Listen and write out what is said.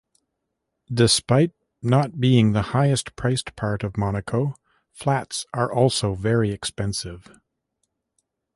Despite not being the highest priced part of Monaco, flats are also very expensive.